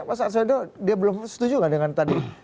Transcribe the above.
mas arswendo dia belum setuju nggak dengan tadi